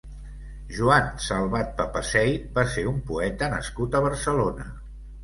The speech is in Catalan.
Joan Salvat-Papasseit va ser un poeta nascut a Barcelona.